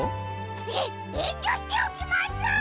ええんりょしておきます！